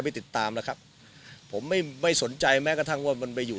ไปติดตามแล้วครับผมไม่ไม่สนใจแม้กระทั่งว่ามันไปอยู่